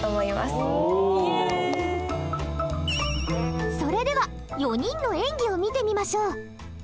それでは４人の演技を見てみましょう。